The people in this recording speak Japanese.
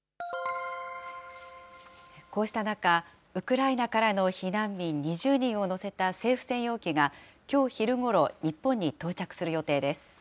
こうした中、ウクライナからの避難民２０人を乗せた政府専用機が、きょう昼ごろ、日本に到着する予定です。